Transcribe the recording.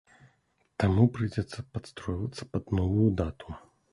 Таму прыйдзецца падстройвацца пад новую дату.